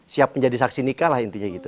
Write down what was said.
siap menjadi saksi nikah lah intinya gitu